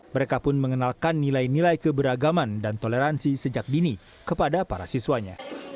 mereka pun mengenalkan nilai nilai keberagaman dan toleransi sejak dini kepada para siswanya